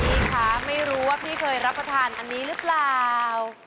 พี่คะไม่รู้ว่าพี่เคยรับประทานอันนี้หรือเปล่า